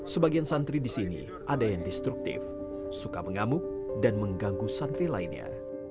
sebagian santri di sini ada yang destruktif suka mengamuk dan mengganggu santri lainnya